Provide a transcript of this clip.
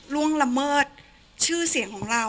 ล่วงละเมิดชื่อเสียงของเรา